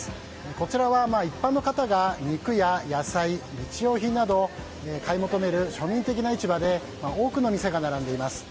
こちらは一般の方が肉や野菜、日用品などを買い求める庶民的な市場で多くの店が並んでいます。